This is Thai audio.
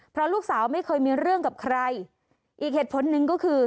เพราะลูกสาวไม่เคยมีเรื่องกับใครอีกเหตุผลหนึ่งก็คือ